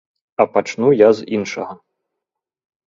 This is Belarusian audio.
А пачну я з іншага.